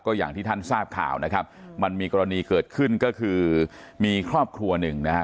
อย่างที่ท่านทราบข่าวนะครับมันมีกรณีเกิดขึ้นก็คือมีครอบครัวหนึ่งนะฮะ